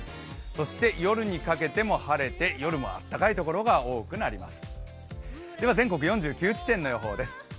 そして夜にかけても晴れて夜もあったかいところが多くなります。